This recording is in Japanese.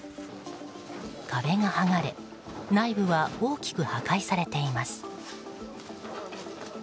壁が剥がれ内部は大きく破壊されています。